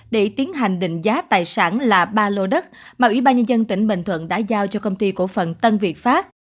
để tiến hành định giá tài sản là ba lô đất mà ủy ban nhân dân tỉnh bình thuận đã giao cho công ty cổ phận tân việt pháp